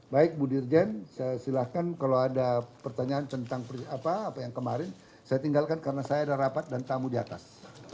baik bu dirjen silakan kalau ada pertanyaan tentang apa yang kemarin saya tinggalkan karena saya ada rapat dan tamu di atas